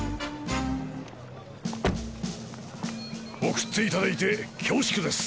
送っていただいて恐縮です。